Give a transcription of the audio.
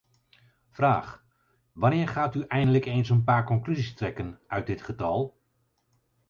Vraag: wanneer gaat u eindelijk eens een paar conclusies trekken uit dit getal?